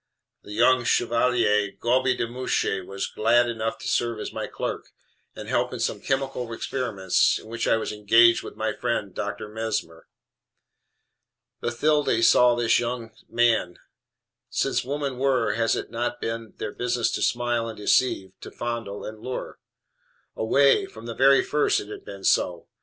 The Young Chevalier Goby de Mouchy was glad enough to serve as my clerk, and help in some chemical experiments in which I was engaged with my friend Dr. Mesmer. Bathilde saw this young man. Since women were, has it not been their business to smile and deceive, to fondle and lure? Away! From the very first it has been so!"